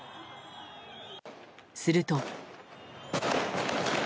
すると。